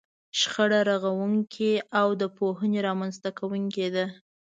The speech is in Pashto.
شخړه رغونکې او د پوهې رامنځته کوونکې ده.